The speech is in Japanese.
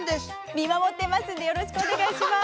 見守ってますのでよろしくお願いします。